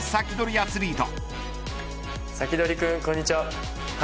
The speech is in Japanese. アツリート。